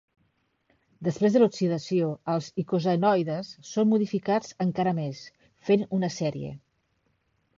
Després de l'oxidació, els icosanoides són modificats encara més, fent una sèrie.